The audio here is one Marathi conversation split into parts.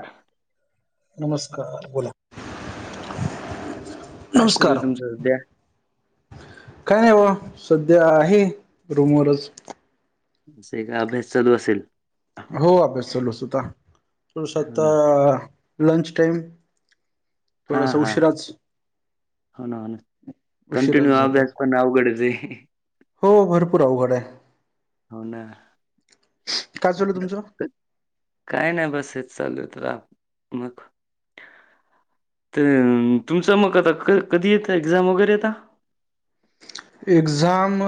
ह नमस्कार बोला ह नमस्कार काय नाही बा सध्या आहे रूमवररच असे का अभ्यास चालू असेल हो अभ्यास लूस होता स आता ना लंच टाईम हा थोडासा हा उशराच हो ना ना उशिराच कंटिन्यू झाला अभ्यास पण अवघडच ये. हो भरपूर अवघड आहे हो ना. काय चालू हाय तुमचं? तर काय नाही बस हेच चालू तुला मग तर तुमचं मग आता क कधी येत एक्झाम वगैरे आता? एक्झाम....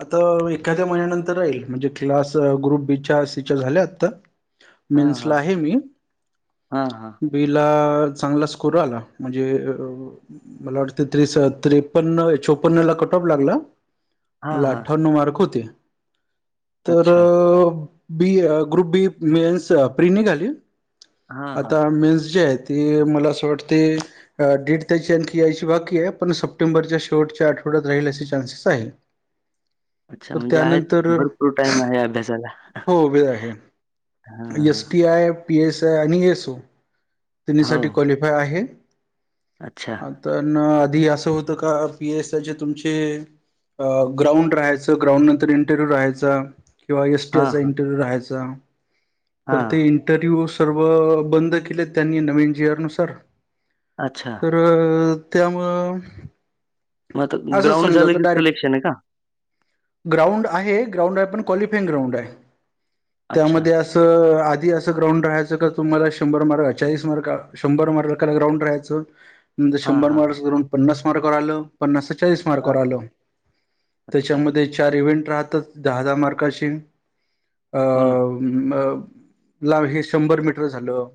आता एखाद्या महिन्यानंतर राहील, म्हणजे क्लास ग्रुप बी. च्या सी. च्या झाल्या आता. हा हा मेन्सला आहे मी. हा हा बी. ला चांगला स्कोर आला, म्हणजे मला वाटते त्रेष्ठ-त्रे चन्न-चोपन्न ला कट ऑफ लागला, हा मला हा अठ्ठावन्नव मार्क होते. तर अच्छा B. Group B mains pre निघाली. हा हा आता मेन्स जे आहेत. ती मला असं वाटते दीड त्याची आणखी यायची बाकी आहे, पण सप्टेंबर ऑक्टोंबरच्या शेवटच्या आठवड्यात राहील असे चान्सेस आहे. अच्छा तर म्हणजे आहेत, त्यानंतर भरपूर टाइम आहे अभ्यासाला. हो वेळ आहे, हा S. T I. P. S. I. आणि एस. ओ. हा तिनीसाठी हो क्वालिफाय आहे. अच्छा. तर आधी असं होतं का. पी. एस. आयचे तुमचे. ग्राउंड राहायचं, ग्राउंड नंतर इंटरव्ह्यू राहायचा, किंवा एस हा चा हा इंटरव्ह्यू राहायचा. हा तर ते इंटरव्ह्यू सर्व बंद केले त्यांनी नवीन जी आर नुसार. अच्छा. तर त्यामुळं मग आता असं ग्राउंड समजा झालं तर की, डायरेक्ट सिलेक्शन आहे का. ग्राउंड आहे, ग्राउंड आहे पण, क्लिफाईंग ग्राउंड आहे, अच्छा त्यामध्ये अस असं आधी असं ग्राउंड राहायचं का, तुम्हाला शंभर मार्क चाळीस मार्कला. शंभर मार्काला ग्राउंड राहायचं, नंतर हा शंभर हा मार्क ग्राउंड पन्नास मार्कवर आलं. पन्नास चाळीस हा मार्कावर आलं, अच्छा. त्याच्यामध्ये चार इव्हेंट राहतच दहा-दहा मार्काशी. अ हो ना. म ला हे शंभर मीटर झालं.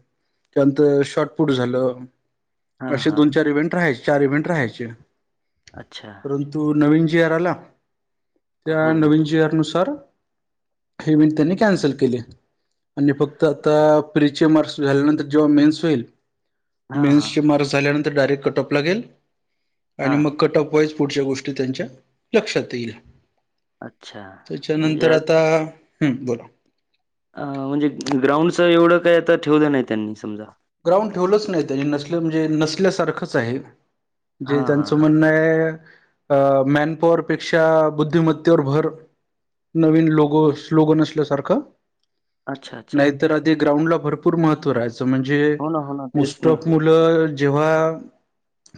त्यानंतर शॉर्टपुट झालं. हां, असे हां. दोन चार इव्हेंट राहायचे, चार इव्हेंट राहायचे. अच्छा. परंतु नवीन जी. आर आला, त्या हो. नवीन जी. आर नुसार. हे मीनट त्यांनी कॅन्सल केले, आणि फक्त आता फ्रीचे मार्क्स झाल्यानंतर, जेव्हा मेन्स होईल, हां, हां. मेन्सचे मार्क्स झाल्यानंतर डायरेक्ट कटऑफ लागेल, आणि मग हां. कटऑफ वाईस पुढच्या गोष्टी त्यांच्या लक्षात येईल, अच्छा. म्हणजे त्याच्यानंतर आज आता हम्म बोला. अ म्हणजे ग्राउंडच एवढं काय आता ठेवलं नाही त्यांनी समजा. ग्राउंड ठेवलंच नाही, त्यांनी नसलं म्हणजे नसल्यासारखंच आहे. जे हां, हां, त्यांचं हां. म्हणणं आहे, अ मॅनपॉवरपेक्षा बुद्धिमत्तेवर भर नवीन लोगो स्लोगन नसल्यासारखं. अच्छा-अच्छा. तर आधी ग्राउंला भरपूर महत्व रहायचं, म्हणजे हो ना, हो ना. [inaudible] तेच ना. आपलं जेव्हा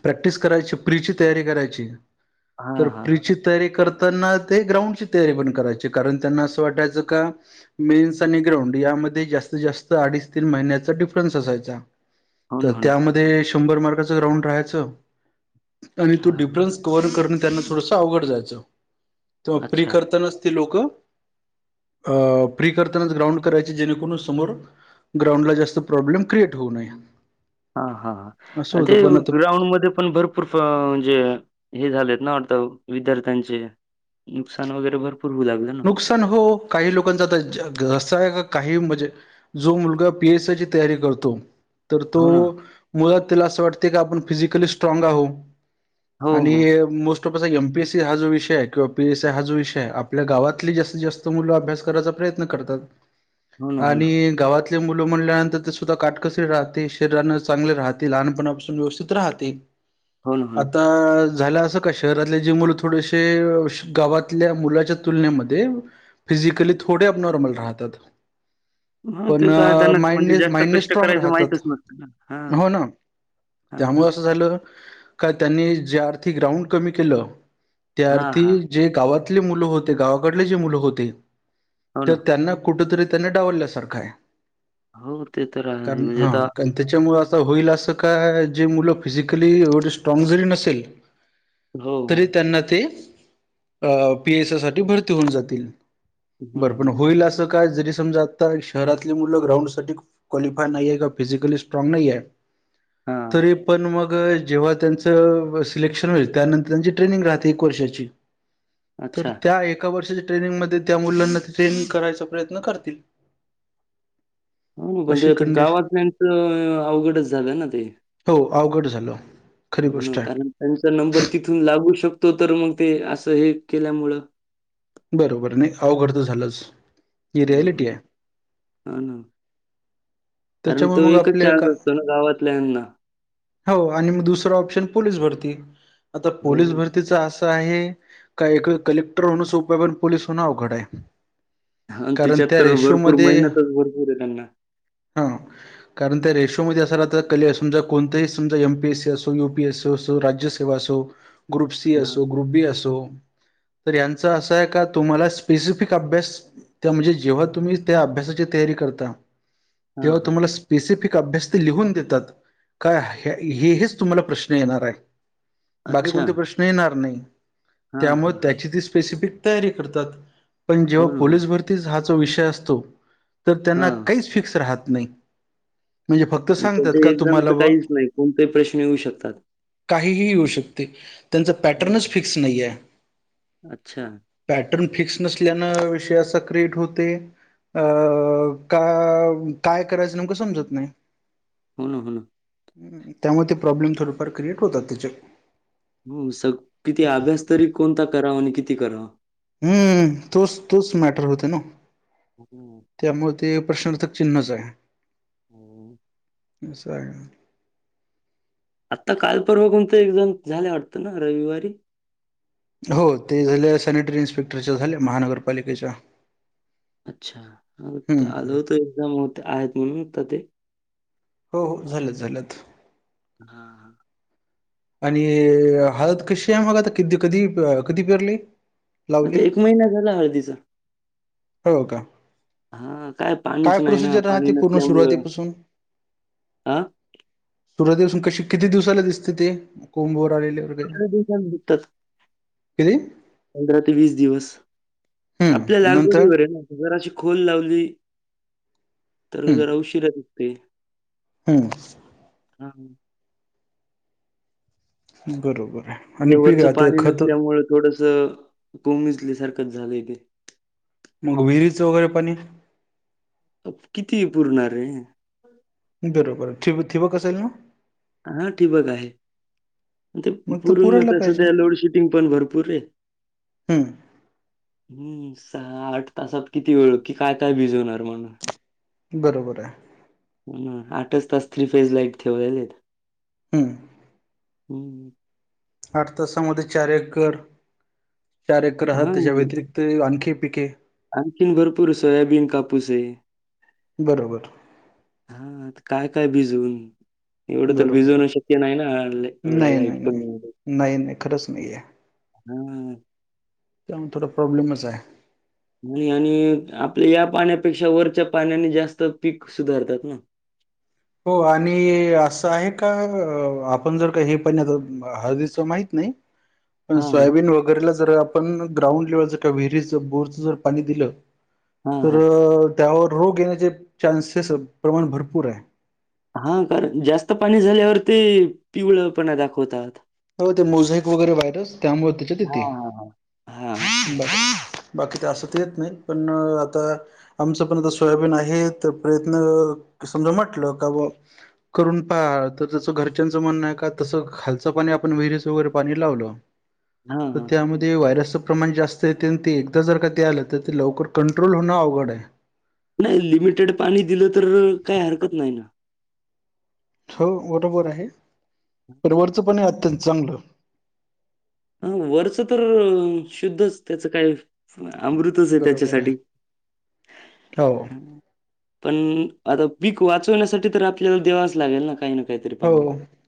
प्रॅक्टिस करायची, प्रीची तयारी करायची. तर हां, हां. परिचित. तयारी करताना, ते ग्राउंडची तयारी पण करायची, कारण त्यांना असं वाटायचं का. मेन्स आणि ग्राउंड यामध्ये जास्तीत-जास्त अडीच तीन महिन्याचा डिफरंट हो ना, हो ना. त्यामध्ये शंभर मार्काचा ग्राउंड राहायच आणि तो हां. डिफरन्स कव्हर करण त्यांना थोडस अवघड जायचं त प्रि अच्छा. करता नसतील लोकं अ प्री करतानाच ग्राउंड करायची जेणेकरून समोर ग्राउंडला जास्त प्रॉब्लेम क्रिएट होऊ नये हा हा असं ह ते होतं पण आता ग्राउंड मध्ये पण भरपूर म्हणजे हे झालेत ना वाता विद्यार्थ्यांचे नुकसान वगैरे भरपूर झालंय नुकसान हो काही लोकांच तर असं आहे का काही म्हणजे जो मुलगा पी एस आय ची तयारी करतो तर हो ना. तो मुळात त्याला असं वाटते की आपण फिजिकली स्ट्रांग आहो हो, आणि हो. मोस्ट ऑफ एमपीएसी हा जो विषय आहे किंवा पीएसी हा जो विषय आहे आपल्या गावातली जास्तीत जास्त मुलं अभ्यास करायचा प्रयत्न करतात हो ना, हो ना. आणि गावात मुलं म्हणल्यानंतर ते सुद्धा काटकसरी राहते शरीरा चांगले राहते लहानपणापासून व्यवस्थित राहते होन हो आता झालं असं का शहरातले जे मुलं थोडेसे गावातल्या मुलाच्या तुलनेमध्ये फिजिकली थोडे अ नॉर्मल राहतात हां, ते पण तर आहे त्यांना म्हणजे माइंडने जास्त माइंडने कष्ट स्ट्रॉंग करायचं माहीतच राहतात नसतं ना. हां, हो ना हां. त्यामुळे असं झालं का त्यांनी ज्या अर्थी ग्राउंड कमी केलं त्या हां, अर्थी हां. जे गावातले मुलं होते ते गावाकडले जे मुलं होते हो ते ना. त्यांना कुठेतरी त्यांनी डावलल्यासारखं आहे हो, ते तर आहे कर म्हणजे हा आता त्याच्यामुळं असं होईल असं का जे मुलं फिजिकली एवढी स्ट्रांग जरी नसेल हो, हो तरी त्यांना ते पीएस साठी भरती होऊन जातील हो ना, बरं हो पण ना. होईल असं काय जरी समजा आता शहरातली मुलं ग्राउंड साठी क्वालिफाय नाहीे का फिजिकली स्ट्रांग नाही आहे हां, तरी पण मग मग जेव्हा त्यांच सिलेक्शन होईल त्यानंतर त्यांची ट्रेनिंग राहते एक वर्षाची तर अच्छा त्या एका वर्षाच्या ट्रेनिंगमध्ये त्या मुलांना ते ट्रेनिंग करायचा प्रयत्न करतील हो ना पण ते अशी आता कंडिशन गावातल्याचं अवघडच झालंय ना ते हो अवघड झालं खरी हो ना गोष्ट आहे कारण त्यांचा नंबर तिथून लागू शकतो तर मग ते असं हे केल्यामुळं बरोबर नाही अवघड तर झालंच ही हो ना हो रियालिटी ना आहे ह ना कारण त्याच्यामुळे तो मग एकच आपले का शाळत असतो ना गावातल्याना हो आणि दुसर ऑप्शन पोलीस भरती आता हो पोलीस भरतीचा अस आहे का कलेक्टर होण सोपय पण पोलीस होण अवघड आहे आणि कारण त्या तिच्याहत्तर भरपूर रेशोमध्ये मेहनतच भरपूर आहे त्यांना हा कारण त्या रेशोमध्येध्ये असाला तर कले समजा कोणताही सजा एमपीएससी असो युपीएसी असो राज्य असो ग्रुप सी हां, असो ग्रुप बी असो तर यांचं असं आहे का तुम्हाला स्पेसिफिक अभ्यास त्या म्हणजे जेव्हा तुम्ही त्या अभ्यासाची तयारी करता हां, तेव्हा हां. तुम्हाला स्पेसिफिक अभ्यास ते लिहून देतात काय हे हेच तुम्हाला प्रश्न बाकी अच्छा. कोणते प्रश्न येणार नाही हां, त्यामुळे हां. हां. त्याची त स्पेसिफिक तात पण जेव्हा हो ना, प हो. ना. भर हा विषय असतो त्यां हां. फिक्स राहत नाही फक्त सांगतात त्याच्या का एक्झामच तुम्हाला ब काहीच नाही कोणताही प्रश्न येऊ शकतात काहीही येऊ शकते त्यांचा हो. पॅटर्नच फिक्स नाही आहे अच्छा पॅटर्न फिक्स नसल्यान विषय असा क्रिएट होते अ का काय करायचं नेमकं समजत नाही होय होय त्यामुळे ते प्रॉब्लेम थोडंफार क्रिएट होतात त्याचे हो सग किती अभ्यास तरी कोणता करावा आणि किती करावा हम्म तोच तोच मॅटर होते ना हम्म त्यामुळे ते प्रश्न चिन्हच आहे [inaudible] असय आत्ता कालपर्वा कोणत एक्झाम झाले वाटतं ना रविवारी हो ते झाले सॅनिटरी इन्स्पेक्टरच्या झाले महानगरपालिकेच्या अच्छा हम्म आल होत एक्झाम हो आहेत म्हणून ते हो हो झालंत झालंत हा हा आणि हळत कशी आहे मगा आता कि कधी कधी पिरली आता एक महिना झाला हळदीचा हो ओ का हा काय पाणी काय पाणीच नाही ना. प्रोसिजर राहात पूर्ण नसल्यामुळं सुरुवातीपासून हां, सुरवाती पासून कशी किती दिवसाला दिसते ते कोंभवर आलेल्या वर पंधरा दिवसांनी दिसतात किती पंधरा ते वीस दिवस आपल्या हम्म नंतर लागवडीवर आहे ना जराची खोल लावली तर हम्म जर उशीरा दिसंते हम्म हा हा बरोबर आहे आणि पिकं ते खत थोडस कोमजली सारखंच झालंय ते मग विहिरीचं वगैरे पण किती पुरणार रे बरोबर ठिबक असलं ना हा ठिबक आहे ते मग तर पुूरण पुरायला आता पाहिजे सध्या लोडशेडिंग पण भरपूर रे हम्म हम्म सहा आठ तासात किती वेळ कि काय काय भिजवणार म्हण बरोबर आहे आठच तास थ्री फेज लाईट ठेवलेलेत हम्म हम्म आठ तासामध्ये चार एकर चार एकर आहात त्याच्या हां, व्यतरिक्त ते आणखे पिके आणखीन भरपूर सोयाबीन कापूस आहे बरोबर हा आता काय काय भिजऊन एवढं तर बरोबर भिजवण शक्य नाही ना एवढ्याला नाही नाही लाईट नाही मध्ये नाही नाही खरंच नाही आहे हम्म त्यामुळे थोडा प्रॉब्लेमच आहे आणि आणि आपल्या या पाण्यापेक्षा वरच्या पाण्याने जास्त पीक सुधारतात ना हो आणि असं आहे का आपण जर का हे पाणी आ हळदीचं माहित नाही [inaudible] पण हां. सोयाबीन वगैरेला जर पण ग्राउंड लेवलच किंवा, विहिरीच बोरचं जर पाणी दिलं हां, तर, हां. त्यावर रोग येण्याचे चान्सेस प्रमाण भरपूर ये. हा कारण जास्त पाणी झाल्यावर ते पिवळपणा दाखवतात. हो ते मोझेक वगैरे व्हायरस, त्यामुळे त्यांच्यात येते. हां, हां, हां. हां. बाकी तर असं ते, येत नाही पण आता. आमचं पण आता सोयाबीन आहे. तर प्रयत्न समजा म्हटलं का बा करून पा तर जसं घरच्यांचं म्हणण आहे, का तसं खालचं पाणी आ विहरीच वगैरे पाणी लावलो. हां, तर हां. त्यामध्ये ते व्हायरसचं प्रमाण जास्त येते. आणि ते एकदा जर का आलं, तर ते लवकर कंट्रोल होणं अवघड आहे. नाही लिमिटेड पाणी दिलं, तर काही हरकत नाही ना. हो बरोबर आहे. हं. पर वरचं पण आहे अत्यंत चांगलं. ह वरचं तर शुद्धच त्याचं काय, अमृतच आहे बरोबर त्यांच्यासाठी. आहे हो पण आता पीक वाचवण्यासाठी तर आपल्याला देवाच लागेल ना काही ना. काहीतरी हो, पाणी.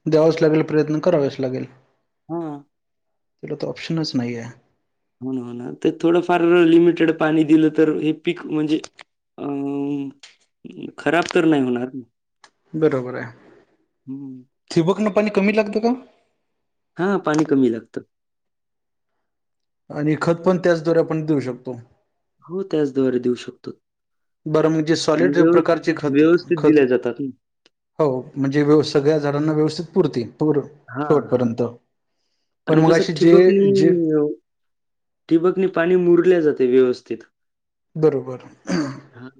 द्यावच लागेल प्रयत्न करावेच लागेल. हा, तिला तर ऑप्शनच नाहीये. हो ना, हो ना ते थोडंफार लिमिटेड पाणी दिलं तर हे पीक म्हणजे, अ... खराब तर नाही होणार ना, बरोबर आहे. हं. ठिंबकनं पाणी कमी लागत का ओ. हा पाणी कमी लागतं. आणि खत पण त्याचद्वारे आपण देऊ शकतो. हो त्याचद्वारे देऊ शकतो. बरं म्हणजे आणि सॉलिड व्यवस्थित प्रकारचे खत, व्यवस्थित खत दिल्या जातात ना. हो म्हणजे व्यव सगळ्या झाडांना व्यवस्थित पुरतील. पूर हां, हां. शेवटपर्यंत, पण आणि कसं मगाशी जे जे ठिंबकणे पाणी मुरले जाते व्यवस्थित. बरोबर. हा.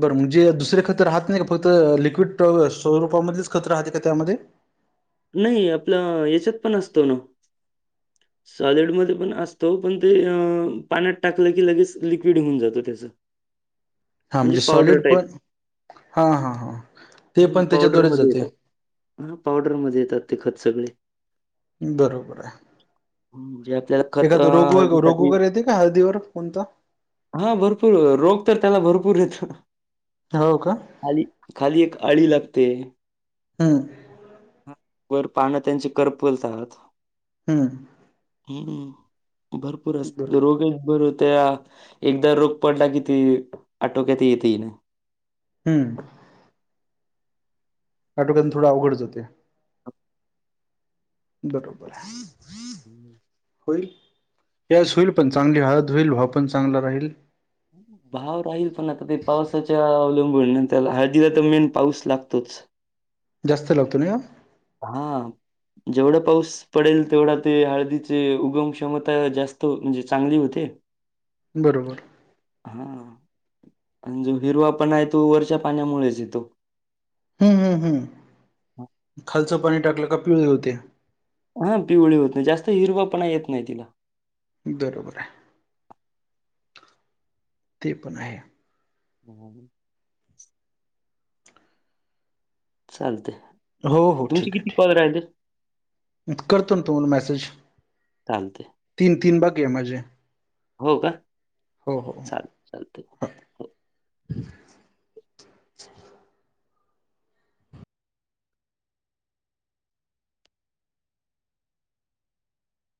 बरं म्हणजे दुसर खतं राहत नाही का, फक्त लिक्विड स्वरूपामध्येच खतं राहते का त्यामध्ये, नाही आपलं हेच्यात पण असतो ना. सॉलिडमध्ये पण असतो, पण ते पाण्यात टाकलं की लगेच लिक्विड होऊन जातो त्याचं. [inaudible] हां म्हणजे पावडर सॉलीड टाइप पण, हा हा हा, ते हं, पण त्याच्याद्वारेच जाते. रम मध्ये येतात ते खत सगळे. बरोबर आहे. म्हणजे आपल्याला खत अ, एखाद रोग.. रोग हळदीसाठी वेगर येते का हळदीवर कोणत? हा भरपूर रोग तर, त्याला भरपूर येतो. हो का, खाली खाली एक अळी लागते. हं.. वर पानं त्यांची करपलतात. हम्म. हम्म, भरपूर असत बर रोगच भर होत्या या. एकदा रोख पडला कि ते, आटोक्यात येतही नाही. हम्म. काटोकन थोडं आवघड होतंय. बरोबर आहे. हम्म. होईल, यस होईल पण चांगली हळद होईल, भाव पण चांगला राहील. भाव राहील पण आता ते पावसाच्या अवलंबून त्या हळदीला तर मेन पाऊस लागतोच. जास्त लागतो नाही ओ. हा जेवढं पाऊस पडेल तेवढा ते हळदीचे उगम क्षमता जास्त म्हणजे चांगली होते. बरोबर. हा आणि जो हिरवा पण आहे तो, वरच्या पाण्यामुळेच येतो. हम्म, हम्म, हम्म खालचं पाणी टाकलं का पिवळे होते. हा पिवळी होते, जास्त हिरवा पण येत नाही तिला. बरोबर आहे. ते पण आहे. हम्म. चालते हो तुमचे किती कॉल राहिलेत? करतोना तुम्हाला मॅसेज. चालतेय. तीन-तीन बाकीये माझे. हो का हो हो हो चालतय-चालतय.